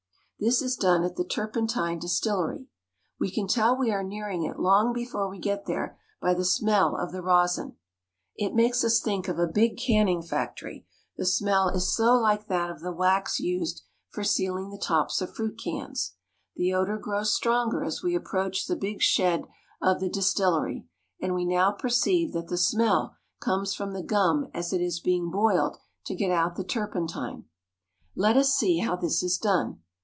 This is done at the turpentine distillery. We can tell we are nearing it long before we get there by the smell of THE PINE FORESTS. 129 the rosin. It makes us think of a big canning factory, the smell is so like that of the wax used for sealing the tops of fruit cans. The odor grows stronger as we approach the big shed of the distillery, and we now perceive that the smell comes from the gum as it is being boiled to get out the turpentine. Let us see how this is done.